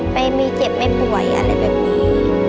ไปมีเจ็บไม่ป่วยอะไรแบบนี้